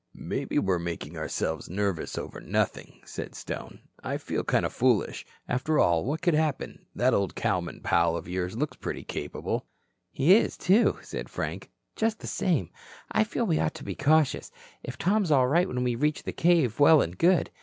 "Maybe we're making ourselves nervous over nothing," said Stone. "I feel kind of foolish. After all, what could happen? That old cowman pal of yours looks pretty capable." "He is, too," said Frank. "Just the same, I feel we ought to be cautious. If Tom's all right when we reach the cave, well and good.